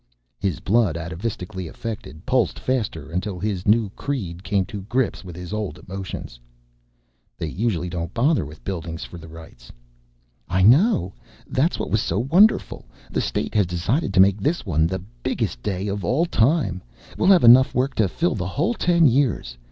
His blood, atavistically effected, pulsed faster until his new creed came to grips with his old emotions. "They usually don't bother with buildings for the Rites." "I know that's what was so wonderful! The State has decided to make this one the biggest Day of all time. We'll have enough work to fill the whole ten years!